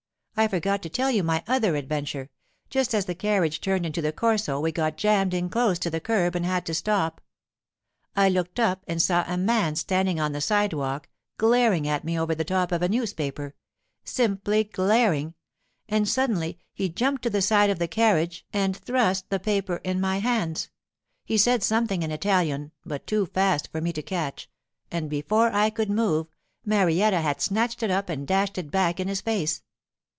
'I forgot to tell you my other adventure, just as the carriage turned into the Corso we got jammed in close to the curb and had to stop. I looked up and saw a man standing on the side walk, glaring at me over the top of a newspaper—simply glaring—and suddenly he jumped to the side of the carriage and thrust the paper in my hands. He said something in Italian, but too fast for me to catch, and before I could move, Marietta had snatched it up and dashed it back in his face.